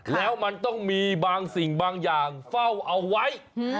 แล้วมันต้องมีบางสิ่งบางอย่างเฝ้าเอาไว้